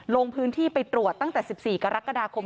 ลงพื้นที่ไปตรวจตั้งแต่๑๔กรกฎาคม